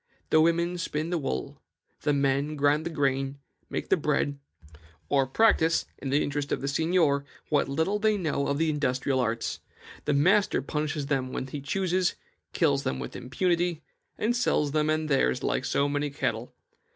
The women spin the wool; the men grind the grain, make the bread, or practise, in the interest of the seignior, what little they know of the industrial arts. The master punishes them when he chooses, kills them with impunity, and sells them and theirs like so many cattle.